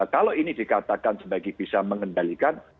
kalau ini dikatakan sebagai bisa mengendalikan